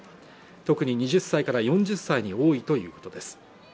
特に２０歳から４０歳に多いということです